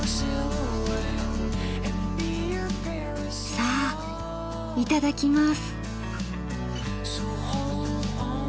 さあいただきます。